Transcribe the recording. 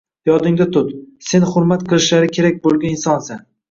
Yodingda tut: sen hurmat qilishlari kerak bo‘lgan insonsan